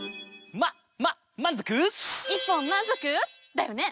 だよね？